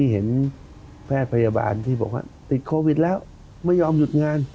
เห็นแพทย์พยาบาลที่บอกว่าติดโควิดแล้วไม่ยอมหยุดงาน